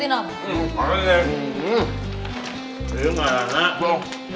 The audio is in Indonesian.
ini enggak enak